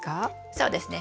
そうですね。